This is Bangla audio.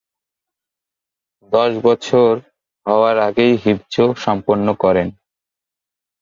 দশ বছর বয়স হবার আগেই হিফজ সম্পন্ন করেন।